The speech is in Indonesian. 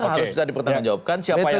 harus bisa dipertanggungjawabkan siapa yang